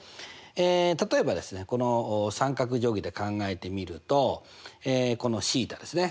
例えばこの三角定規で考えてみるとこのθですね